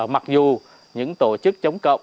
mặc dù những tổ chức chống cộng